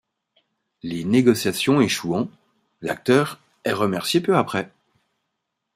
Les négociations échouant, l'acteur est remercié peu après.